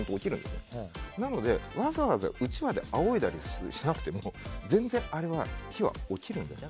なので、わざわざうちわであおいだりしなくても全然、火はおきるんです。